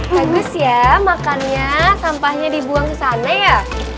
bagus ya makannya sampahnya dibuang ke sana ya